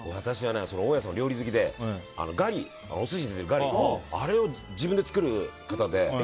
大家さんが料理好きでお寿司に出てくるガリを自分で作る方で。